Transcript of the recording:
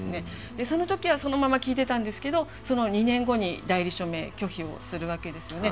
その時はそのまま聞いてたんですけどその２年後に代理署名拒否をするわけですよね。